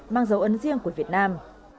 mang dấu ân riêng của việt nam